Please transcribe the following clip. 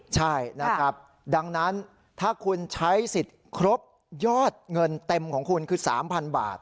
ใช่นะครับดังนั้นถ้าคุณใช้สิทธิ์ครบยอดเงินเต็มของคุณคือ๓๐๐๐บาท